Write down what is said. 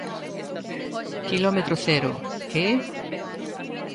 Quilómetro cero, ¿que?